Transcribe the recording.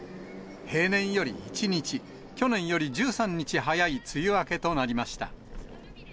平年より１日、去年より１３日早い梅雨明けとなりました。